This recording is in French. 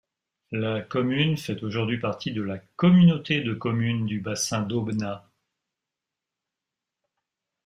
La commune fait aujourd'hui partie de la communauté de communes du Bassin d'Aubenas.